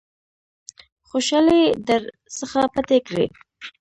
خوشالۍ در څخه پټې کړي .